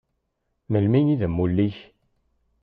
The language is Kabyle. Melmi i d amulli-ik?